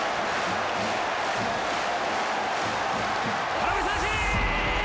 空振り三振！